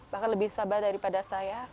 bahkan lebih sabar daripada saya